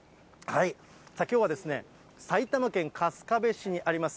きょうは、埼玉県春日部市にあります